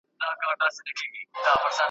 واوري دي اوري زموږ پر بامونو !.